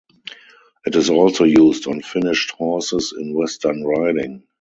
It is also used on finished horses in western riding.